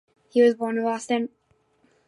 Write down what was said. He was born in Boston.